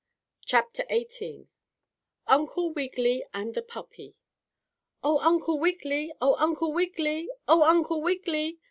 CHAPTER XVIII UNCLE WIGGILY AND THE PUPPY "Oh, Uncle Wiggily! Oh, Uncle Wiggily! Oh, Uncle Wiggily!"